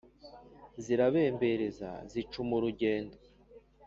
zirabembereza zicuma urugendo